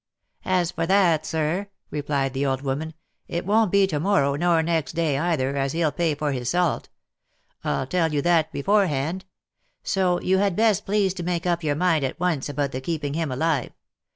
" As for that, sir," replied the old woman, " it won't be to morrow, nor next day, either, as he'll pay for his salt ; I'll tell you that before hand. So you had best please to make up your mind at once about the keeping him alive.